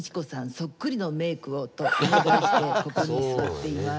そっくりのメークをとお願いしてここに座っています。